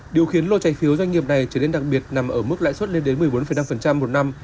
điều khiến lô trái phiếu doanh nghiệp này trở nên đặc biệt nằm ở mức lãi suất lên đến một mươi bốn năm một năm